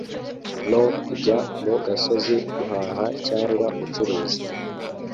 no kujya mu gasozi guhaha cyangwa gucuruza